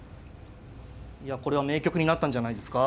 いやこれは名局になったんじゃないですか。